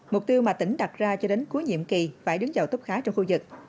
mục tiêu mà tỉnh đặt ra cho đến cuối nhiệm kỳ phải đứng dầu tốt khá trong khu vực